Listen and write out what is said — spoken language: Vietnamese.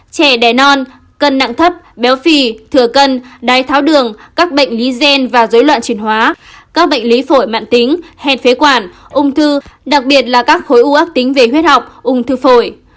trẻ đẻ non cân nặng thấp béo phì thừa cân đai tháo đường các bệnh lý gen và dối loạn chuyển hóa các bệnh lý phổi mạng tính hèn phế quản ung thư đặc biệt là các khối u ác tính về huyết học ung thư phổi